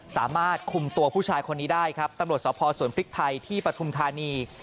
สามารถคุมตัวผู้ชายคนนี้ได้ครับตำรวจสพสวนพริกไทยที่ปฐุมธานี